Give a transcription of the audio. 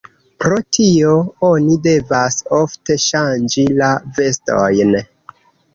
Pro tio oni devas ofte ŝanĝi la vestojn.